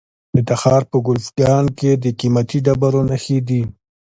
د تخار په کلفګان کې د قیمتي ډبرو نښې دي.